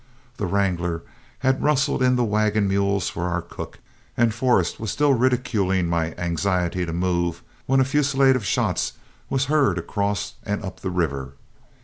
The wrangler had rustled in the wagon mules for our cook, and Forrest was still ridiculing my anxiety to move, when a fusillade of shots was heard across and up the river.